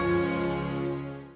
sampai jumpa lagi